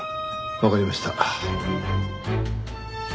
わかりました。